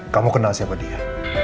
kamu kenal siapa dia